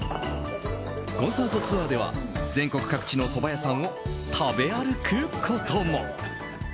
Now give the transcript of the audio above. コンサートツアーでは全国各地のそば屋さんを食べ歩くことも。